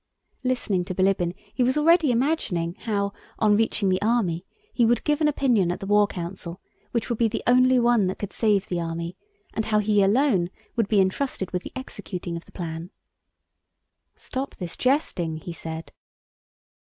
Listening to Bilíbin he was already imagining how on reaching the army he would give an opinion at the war council which would be the only one that could save the army, and how he alone would be entrusted with the executing of the plan. "Stop this jesting," he said.